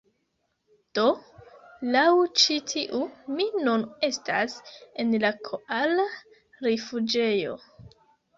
Do, laŭ ĉi tiu, mi nun estas en la koala rifuĝejo.